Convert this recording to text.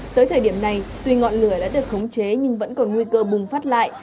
tới thời điểm này tuy ngọn lửa đã được khống chế nhưng vẫn còn nguy cơ bùng phát lại